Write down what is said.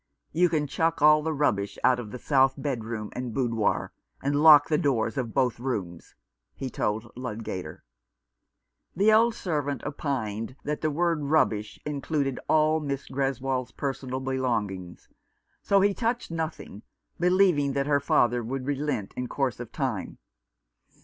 " You can chuck all the rubbish out of the south bedroom and boudoir, and lock the doors of both rooms," he told Ludgater. The old servant opined that the word " rubbish " included all Miss Greswold's personal belongings, so he touched nothing, believing that her father would relent in course of time.